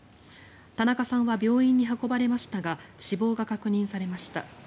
田中さんは病院に運ばれましたが死亡が確認されました。